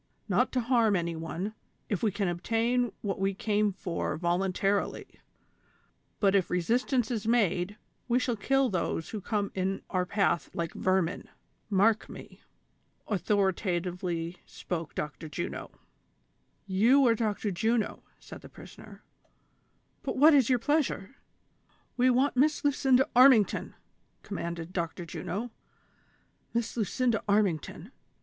Not to harm any one, if we can obtain what we came for voluntarily ; but if re sistance is made, we shall kill those who come in our path like vermin ; mark me !" authoritatively spoke Dr. Juno. "You are Dr. Juno," said the prisoner; "but what is your pleasure ?" "AVe want Miss Lucinda Armington!" commanded Dr. Juno. " Miss Lucinda Armington